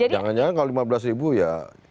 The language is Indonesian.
jangan jangan kalau lima belas ribu ya